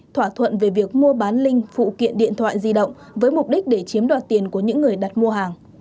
thỏa thuận về việc mua bán linh phụ kiện điện thoại di động với mục đích để chiếm đoạt tiền của những người đặt mua hàng